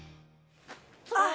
あっ！